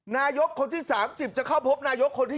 นายกคนที่๓๐จะเข้าพบนายกคนที่